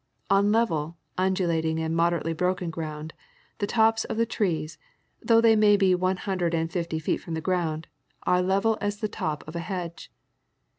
On level, undulating and moderately broken ground, the tops of the trees, though they may be one hundred and fifty feet from the ground, are level as the top of a hedge.